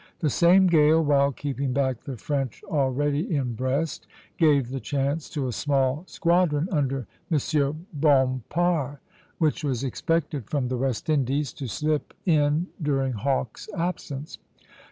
The same gale, while keeping back the French already in Brest, gave the chance to a small squadron under M. Bompart, which was expected from the West Indies, to slip in during Hawke's absence.